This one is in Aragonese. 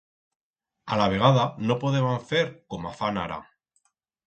Alavegada no podeban fer coma fan ara.